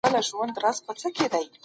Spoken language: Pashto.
تر ابده پر تا نوم د ښکار حرام دی